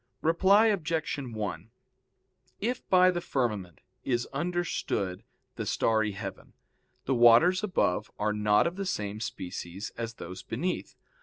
Reply Obj. 1: If by the firmament is understood the starry heaven, the waters above are not of the same species as those beneath.